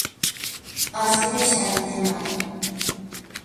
آسیب شدید مالی